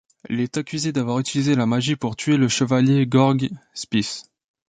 Elle est accusée d'avoir utilisé la magie pour tuer le chevalier Jörg Spiess.